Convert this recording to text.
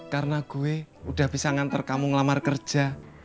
karena gue udah bisa ngantar kamu ngelamar kerja